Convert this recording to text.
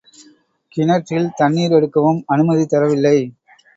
கிணற்றில் தண்ணீர் எடுக்கவும் அனுமதி தரவில்லை.